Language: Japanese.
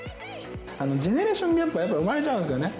ジェネレーションギャップはやっぱり生まれちゃうんですよね。